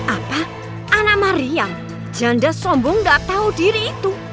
apa anak maryam janda sombong gak tahu diri itu